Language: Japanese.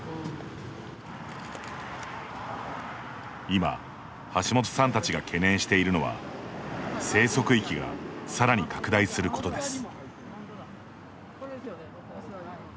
今、橋本さんたちが懸念しているのは生息域がさらに拡大することです。